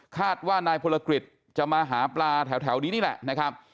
คาดว่านายพลกฤษจะมาหาปลาแถวนี้นี่แหละนะครับ